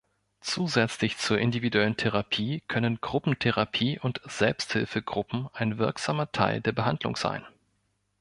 Zusätzlich zur individuellen Therapie können Gruppentherapie und Selbsthilfegruppen ein wirksamer Teil der Behandlung sein.